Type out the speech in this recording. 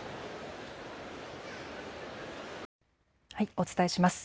お伝えします。